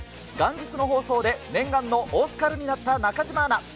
元日の放送で念願のオスカルになった中島アナ。